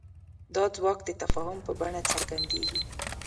دا ځواک د تفاهم په بڼه څرګندېږي.